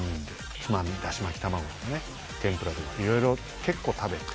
つまみダシ巻き卵とか天ぷらとかいろいろ結構食べて。